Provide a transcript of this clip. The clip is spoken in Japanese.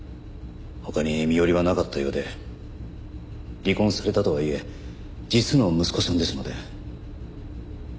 他に身寄りはなかったようで離婚されたとはいえ実の息子さんですので。